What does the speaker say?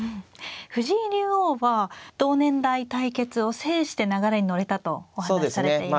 藤井竜王は同年代対決を制して流れに乗れたとお話しされていました。